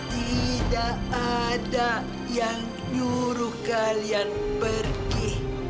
tidak ada yang nyuruh kalian pergi